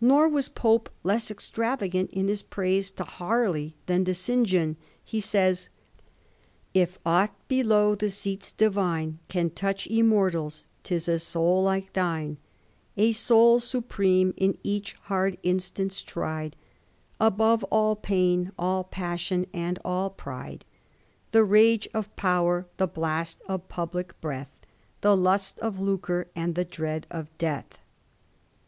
Nor was Pope less extravagant in his praise to Barley than to St. John. He says :— If aught below the seats divine Can touch immortals, 'tis a soul li]» thine, A soul supreme, in each hard instance tried, Above all pain, all passion, and all pride. The rage of power, the blast of public breath, The lust of lucre, and the dread of death.